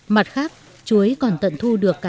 mặt khác chuối còn tận thu được cả lá